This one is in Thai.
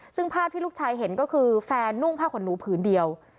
ซึ่งภาพที่ลูกชายเห็นก็คือแฟนนุ่งผ้าขนหนูผืนเดียว